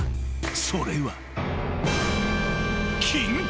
［それは］